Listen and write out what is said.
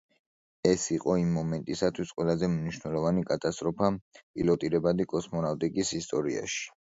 ეს იყო იმ მომენტისთვის ყველაზე მნიშვნელოვანი კატასტროფა პილოტირებადი კოსმონავტიკის ისტორიაში.